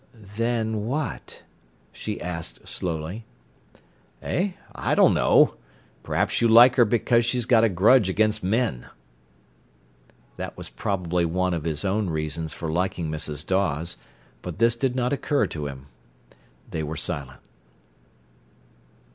"Then what?" she asked slowly. "Eh, I don't know—perhaps you like her because she's got a grudge against men." That was more probably one of his own reasons for liking Mrs. Dawes, but this did not occur to him. They were silent.